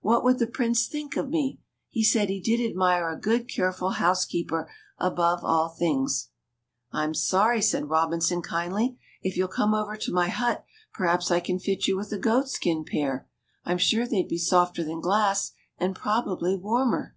What would the Prince think of me ? He said he did admire a good, careful house keeper above all things." '^I'm sorry," said Kobinson kindly; ^^if you'll come over to my hut perhaps I can fit you with a goatskin pair ; I'm sure they'd be softer than glass, and probably warmer."